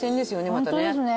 またね。